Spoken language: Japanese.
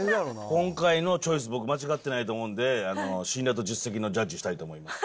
今回のチョイス、僕、間違ってないと思うんで、信頼と実績のジャッジしたいと思います。